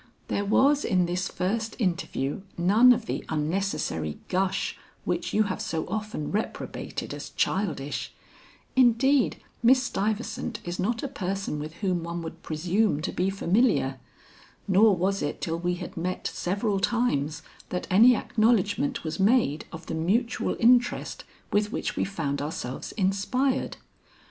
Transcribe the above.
There was in this first interview none of the unnecessary gush which you have so often reprobated as childish; indeed Miss Stuyvesant is not a person with whom one would presume to be familiar, nor was it till we had met several times that any acknowledgement was made of the mutual interest with which we found ourselves inspired.